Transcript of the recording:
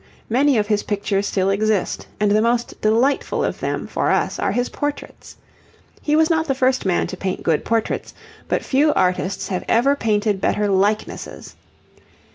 Many of his pictures still exist, and the most delightful of them for us are his portraits. He was not the first man to paint good portraits, but few artists have ever painted better likenesses.